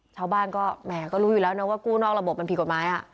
ชาวบ้านก็แหมก็รู้อยู่แล้วนะว่ากู้นอกระบบมันผิดกฎหมาย